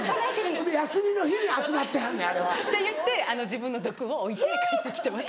ほいで休みの日に集まってはんねんあれは。って言って自分の毒を置いて帰ってきてます。